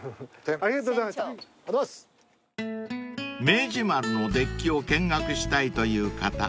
［明治丸のデッキを見学したいという方